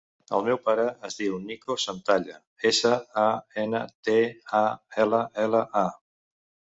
El meu pare es diu Nico Santalla: essa, a, ena, te, a, ela, ela, a.